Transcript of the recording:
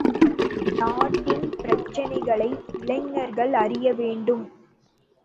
நாட்டின் பிரச்சனைகளை இளைஞர்கள் அறிய வேண்டும்.